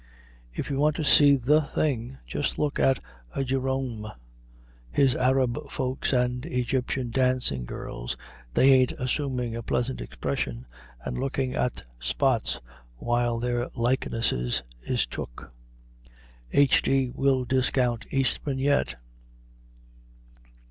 "If you want to see the thing, just look at a Gérôme; his Arab folks and Egyptian dancing girls, they ain't assuming a pleasant expression and looking at spots while their likenesses is took. "H. G. will discount Eastman yet."